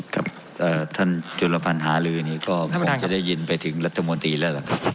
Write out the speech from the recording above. กับท่านจุลพันธ์หาลือนี่ก็คงจะได้ยินไปถึงรัฐมนตรีแล้วล่ะครับ